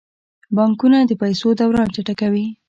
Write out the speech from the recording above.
بانکونه د پیسو دوران چټکوي.